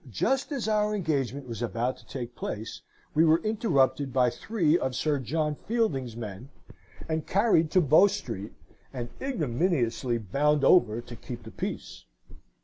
just as our engagement was about to take place, we were interrupted by three of Sir John Fielding's men, and carried to Bow Street, and ignominiously bound over to keep the peace.